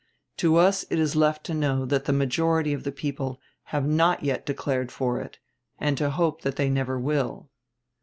To us it is left to know that the majority of the people have not yet declared for it, and to hope that they never will.